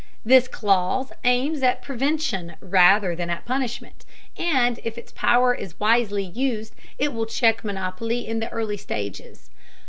This clause aims at prevention rather than at punishment, and if its power is wisely used it will check monopoly in the early stages.